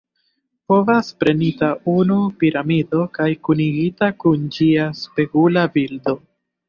Povas prenita unu piramido kaj kunigita kun ĝia spegula bildo.